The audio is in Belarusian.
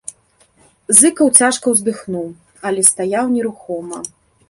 Зыкаў цяжка ўздыхнуў, але стаяў нерухома.